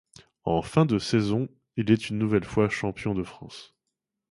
En fin de saison, il est une nouvelle fois champion de France.